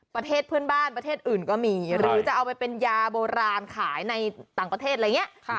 ประเทศเพื่อนบ้านประเทศอื่นก็มีหรือจะเอาไปเป็นยาโบราณขายในต่างประเทศอะไรอย่างนี้